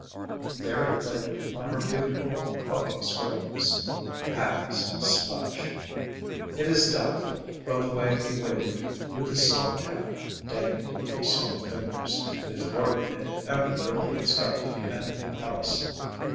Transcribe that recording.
_ There it lay on her beautiful, helpless whiteness. Hattie's smudge. It is doubtful, from the way he waited with his soft hat dangling from soft fingers, if Morton had ever really expected anything else.